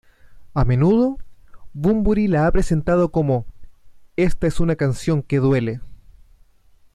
A menudo, Bunbury la ha presentado como: ""esta es una canción que duele"".